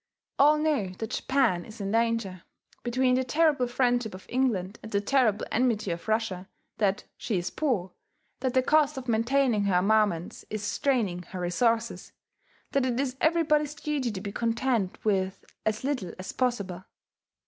All know that Japan is in danger, between the terrible friendship of England and the terrible enmity of Russia, that she is poor, that the cost of maintaining her armaments is straining her resources, that it is everybody's duty to be content with as little as possible.